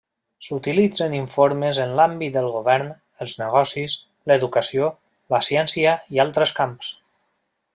S'utilitzen informes en l'àmbit del govern, els negocis, l'educació, la ciència i altres camps.